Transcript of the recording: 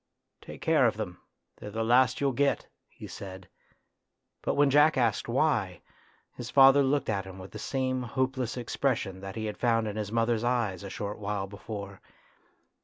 "Take care of them, they're the last you'll get," he said ; but when Jack asked why, his father looked at him with the same hopeless expression that he had found in his mother's eyes a short while before.